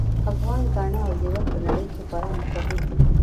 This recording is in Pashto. افغان ګاڼه او زیور په نړۍ کې خورا مشهور دي